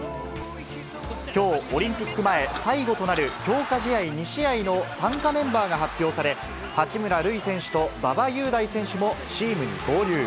きょう、オリンピック前、最後となる強化試合２試合の参加メンバーが発表され、八村塁選手と馬場雄大選手もチームに合流。